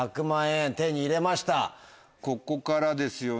ここからですよね。